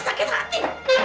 mamah kamu beli